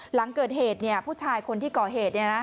หลังเกิดเหตุผู้ชายคนที่ก่อเหตุ